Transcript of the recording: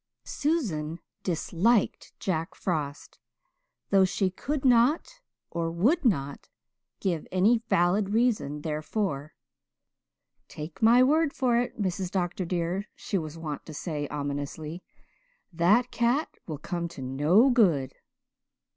Susan disliked Jack Frost, though she could not or would not give any valid reason therefor. "Take my word for it, Mrs. Dr. dear," she was wont to say ominously, "that cat will come to no good."